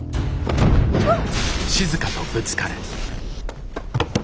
あっ！